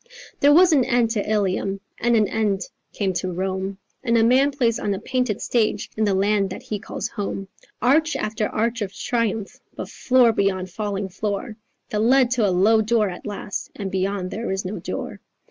"There was an end to Ilium; and an end came to Rome; And a man plays on a painted stage in the land that he calls home; Arch after arch of triumph, but floor beyond falling floor, That lead to a low door at last; and beyond there is no door."